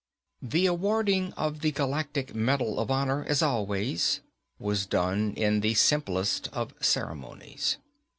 The awarding of the Galactic Medal of Honor, as always, was done in the simplest of ceremonies.